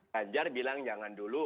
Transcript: kajar bilang jangan dulu